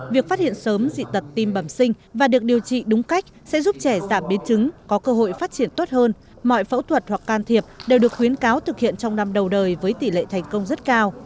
việc phát hiện sớm dị tật tim bẩm sinh và được điều trị đúng cách sẽ giúp trẻ giảm biến chứng có cơ hội phát triển tốt hơn mọi phẫu thuật hoặc can thiệp đều được khuyến cáo thực hiện trong năm đầu đời với tỷ lệ thành công rất cao